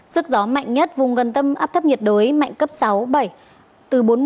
sức gió mạnh nhất vùng gần tâm áp thấp nhiệt đới mạnh cấp sáu bảy từ bốn mươi